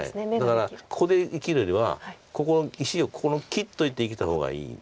だからここで生きるよりは石をここの切っといて生きた方がいい。